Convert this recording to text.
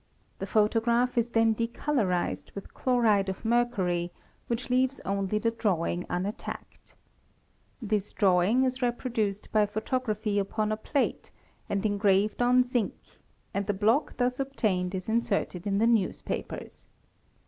The photograph is then decolourised with chloride of mercury which leaves only the drawing unattacked. This drawing is reproduced by photography upon a plate and engraved o1 zine and the block thus obtained is inserted in the newspapers.